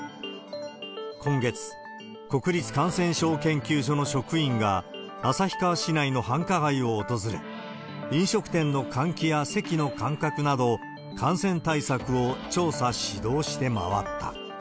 今月、国立感染症研究所の職員が、旭川市内の繁華街を訪れ、飲食店の喚起や席の間隔など、感染対策を調査、指導して回った。